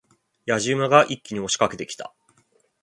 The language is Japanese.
野次馬が一気に押し掛けてきた。